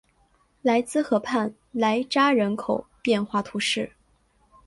莱兹河畔莱扎人口变化图示